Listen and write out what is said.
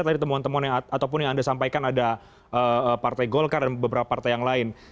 tadi temuan temuan yang ataupun yang anda sampaikan ada partai golkar dan beberapa partai yang lain